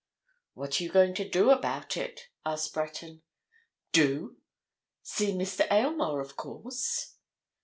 "What are you going to do about it?" asked Breton. "Do? See Mr. Aylmore, of course."